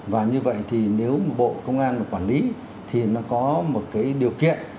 và như vậy thì nếu mà bộ công an quản lý thì nó có một cái điều kiện